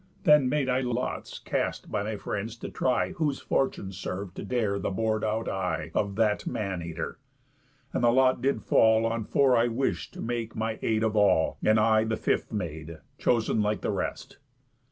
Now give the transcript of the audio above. Then made I lots cast by my friends to try Whose fortune serv'd to dare the bor'd out eye Of that man eater; and the lot did fall On four I wish'd to make my aid of all, And I the fifth made, chosen like the rest.